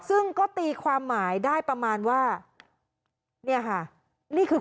ซึ่งก็ตีความหมายได้ประมาณว่านี่คือ